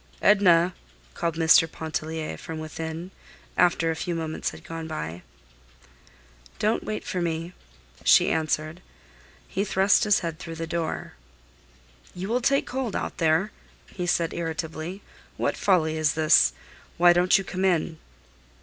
"Edna!" called Mr. Pontellier from within, after a few moments had gone by. "Don't wait for me," she answered. He thrust his head through the door. "You will take cold out there," he said, irritably. "What folly is this? Why don't you come in?"